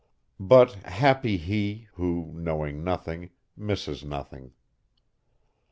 But happy he, who, knowing nothing, misses nothing.